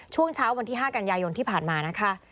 ช่วงเช้าวันที่๕กันยายนที่ผ่านมานะคะ